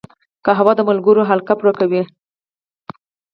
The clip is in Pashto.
قهوه د ملګرو حلقه پوره کوي